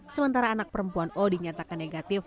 sementara anak perempuan o dinyatakan negatif